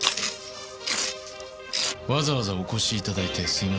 わざわざお越しいただいてすいません。